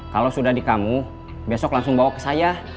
kalau sudah di kamu besok langsung bawa ke saya